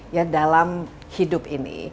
ya dalam hidup ini